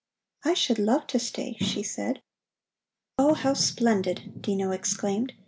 "I should love to stay," she said. "Oh, how splendid!" Dino exclaimed.